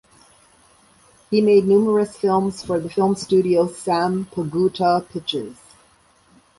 He made numerous films for the film studio Sampaguita Pictures.